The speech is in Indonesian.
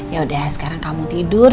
yaudah sekarang kamu tidur